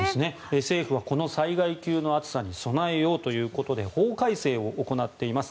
政府はこの災害級の暑さに備えようということで法改正を行っています。